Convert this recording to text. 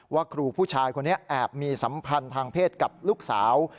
ว่าครูผู้ชายคนนี้แอบมีสัมพันธ์ทางเพศกับลูกสาว